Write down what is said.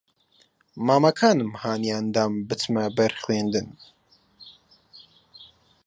مامەکانم ھانیان دام بچمە بەر خوێندن